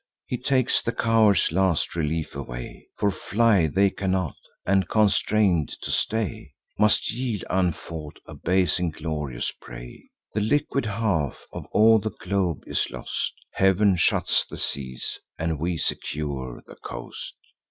He takes the cowards' last relief away; For fly they cannot, and, constrain'd to stay, Must yield unfought, a base inglorious prey. The liquid half of all the globe is lost; Heav'n shuts the seas, and we secure the coast.